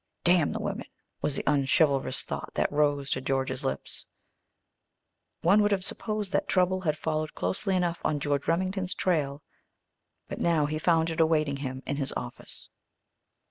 "Damn the women," was the unchivalrous thought that rose to George's lips. One would have supposed that trouble had followed closely enough on George Remington's trail, but now he found it awaiting him in his office.